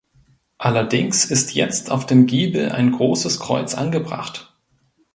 Allerdings ist jetzt auf dem Giebel ein großes Kreuz angebracht.